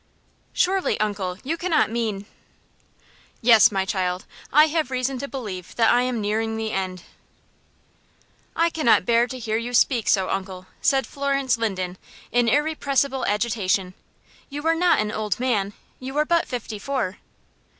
"Surely, uncle, you cannot mean " "Yes, my child, I have reason to believe that I am nearing the end." "I cannot bear to hear you speak so, uncle," said Florence Linden, in irrepressible agitation. "You are not an old man. You are but fifty four."